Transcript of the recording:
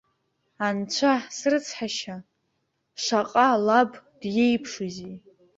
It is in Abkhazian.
Анцәа срыцҳашьа, шаҟа лаб диеиԥшузеи!